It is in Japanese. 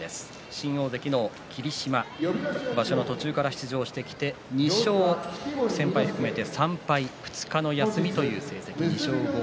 新大関の霧島場所の途中から出場してきて不戦敗含めて２勝３敗２日の休みです。